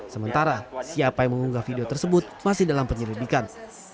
sementara siapa yang mengunggah video tersebut masih dalam penyelidikan